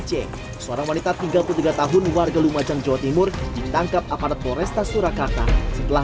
c seorang wanita tiga puluh tiga tahun warga lumajang jawa timur ditangkap aparat boresta surakarta setelah